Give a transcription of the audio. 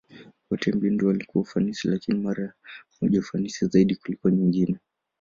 Wote mbinu walikuwa ufanisi, lakini mara moja ufanisi zaidi kuliko nyingine.